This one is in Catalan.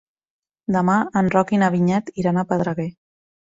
Demà en Roc i na Vinyet iran a Pedreguer.